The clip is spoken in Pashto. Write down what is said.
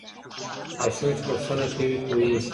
ماشوم چي پوښتنه کوي پوهېږي.